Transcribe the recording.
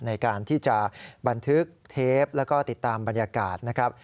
ในการที่จะบันทึกเทปแล้วก็ติดตามบรรยากาศนะครับ